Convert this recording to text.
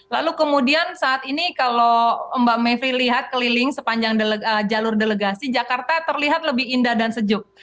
lalu kemudian saat ini kalau mbak mevri lihat keliling sepanjang jalur delegasi jakarta terlihat lebih indah dan sejuk